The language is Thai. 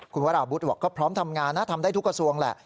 คุณวราวุฒิบอกก็พร้อมทำงานนะทำได้ทุกกระทรวงแหละ